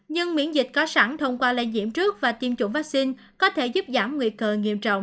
nhưng miễn dịch có sẵn thông qua lây nhiễm trước và tiêm chủng vaccine có thể giúp giảm nguy cơ nghiêm trọng